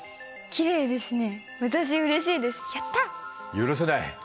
許せない。